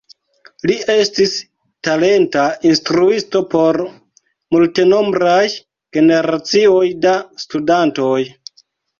Li estis talenta instruisto por multenombraj generacioj da studantoj.